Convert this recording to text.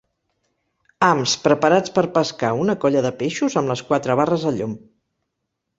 Hams preparats per pescar una colla de peixos amb les quatre barres al llom.